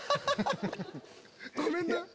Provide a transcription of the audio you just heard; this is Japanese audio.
ごめんな。